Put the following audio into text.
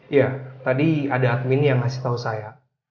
iya tadi ada admin yang ngasih tahu saya